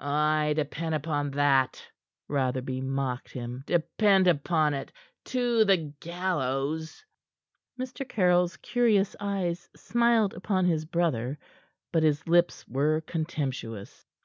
"Ay depend upon that," Rotherby mocked him. "Depend upon it to the gallows." Mr Caryll's curious eyes smiled upon his brother, but his lips were contemptuous.